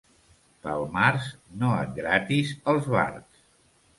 Pel març no et gratis els barbs.